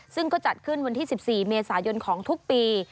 ซึ่งก็จัดขึ้นวันที่๑๔เมษายนของทุกปี